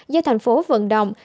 do thành phố vận động